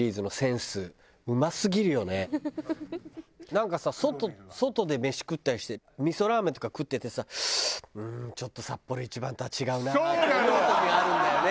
なんかさ外で飯食ったりしてみそラーメンとか食っててさちょっとサッポロ一番とは違うなって思う時があるんだよね。